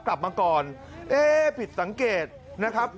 กลับมาก่อนเอ๊ะผิดสังเกตนะครับ